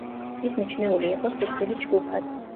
ის მიჩნეული იყო სიკვდილის ჯგუფად.